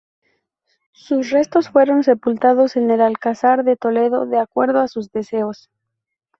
Sus restos fueron sepultados en el Alcázar de Toledo, de acuerdo a sus deseos.